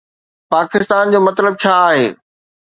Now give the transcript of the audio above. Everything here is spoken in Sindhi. پاڪستان جو مطلب ڇا آھي؟